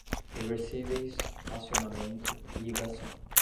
reversíveis, acionamento, irrigação